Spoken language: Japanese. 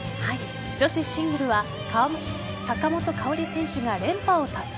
女子シングルは坂本花織選手が連覇を達成。